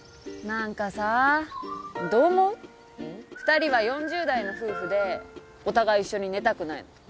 ２人は４０代の夫婦でお互い一緒に寝たくないの。